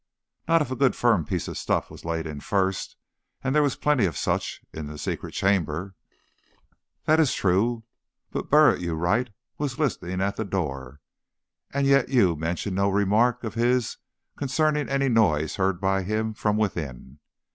"Not if a good firm piece of stuff was laid in first, and there were plenty of such in the secret chamber." "That is true. But Burritt, you write, was listening at the door, and yet you mention no remarks of his concerning any noises heard by him from within.